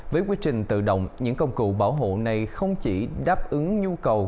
với quy trình tự động những công cụ bảo hộ này không chỉ đáp ứng nhu cầu